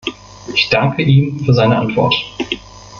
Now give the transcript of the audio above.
Ich danke ihm für seine Antwort.